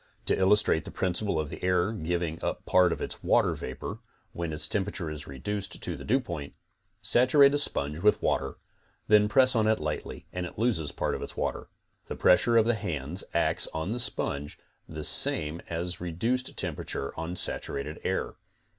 To illustrathe the principle of the air giving up part of its water vapor when its temperature is reduced to the dewpoint, saturate a sponge with water, then press slightly on it and it looses part of its water. The pressure of the hands acts on the sponge the same as reduced temperature on saturated air.